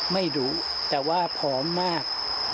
ไม่รู้แต่ว่าผอมมาก